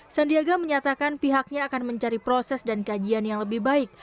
sandiaga menyatakan pihaknya akan mencari proses dan kajian yang lebih baik